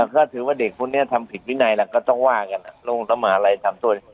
ก็ถือว่าเด็กพวกนี้ทำผิดพินัยแล้วก็ต้องว่ากันหมาลัยทำโทษ